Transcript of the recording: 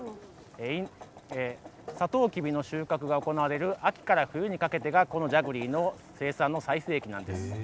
サトウキビの収穫が行われる秋から冬にかけてがこのジャグリーの生産の最盛期なんです。